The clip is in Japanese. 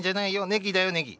ネギだよネギ。